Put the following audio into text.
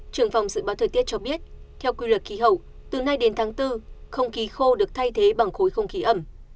trưởng phòng dự báo thời tiết cho biết theo quy luật khí hậu từ nay đến tháng bốn không khí khô được thay thế bằng khối không khí ẩm